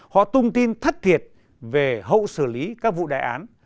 họ tung tin thất thiệt về hậu xử lý các vụ đại án